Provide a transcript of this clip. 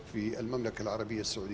di al mamlaka al arabiyah saudi